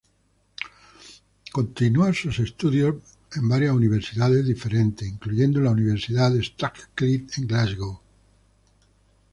Continuó sus estudios en varias universidades diferentes, incluyendo la Universidad de Strathclyde en Glasgow.